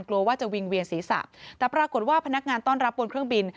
กลัวว่าจะวิ่งเวียนศีรษะแต่ปรากฏว่าพนักงานต้อนรับบนเครื่องบิน